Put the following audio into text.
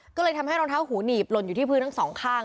ก็เลยทำให้รองเท้าหูหนีบหล่นอยู่ที่พื้นทั้งสองข้าง